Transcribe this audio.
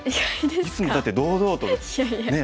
いつもだって堂々とねえ。